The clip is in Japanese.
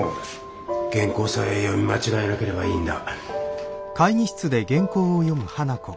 原稿さえ読み間違えなければいいんだ。